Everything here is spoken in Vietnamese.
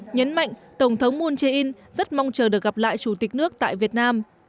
nhấn mạnh tổng thống moon jae in rất mong chờ được gặp lại chủ tịch nước tại việt nam